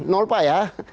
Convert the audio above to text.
nol pak ya